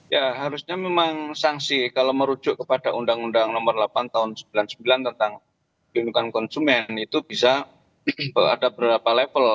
ya harusnya memang sanksi kalau merujuk kepada undang undang nomor delapan tahun seribu sembilan ratus sembilan puluh sembilan tentang perlindungan konsumen itu bisa ada berapa level